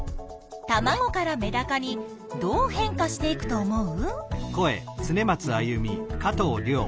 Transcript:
たまごからメダカにどう変化していくと思う？